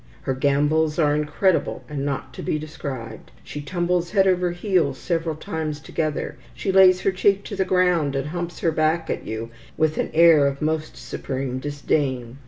Her gambols are incredible, and not to be described. She tumbles head over heels several times together. She lays her cheek to the ground, and humps her back at you with an air of most supreme disdain.